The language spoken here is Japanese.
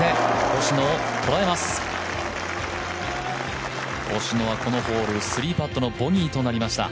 星野はこのホール、３パットのボギーとなりました。